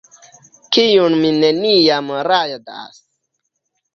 Kiun mi neniam rajdas...